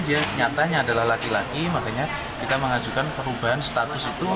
dia nyatanya adalah laki laki makanya kita mengajukan perubahan status itu